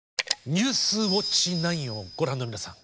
「ニュースウオッチ９」をご覧の皆さん